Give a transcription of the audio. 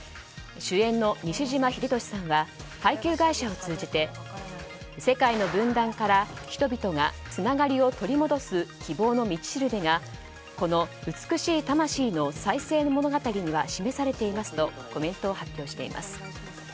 主演の西島秀俊さんは配給会社を通じて世界の分断から人々がつながりを取り戻す希望の道しるべがこの美しい魂の再生の物語には示されていますとコメントを発表しています。